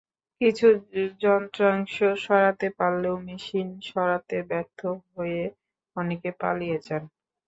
কিছু যন্ত্রাংশ সরাতে পারলেও মেশিন সরাতে ব্যর্থ হয়ে অনেকে পালিয়ে যান।